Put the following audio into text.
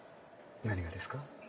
何がですか？